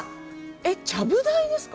ちゃぶ台ですか？